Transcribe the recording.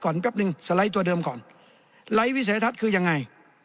แป๊บนึงสไลด์ตัวเดิมก่อนไลค์วิสัยทัศน์คือยังไง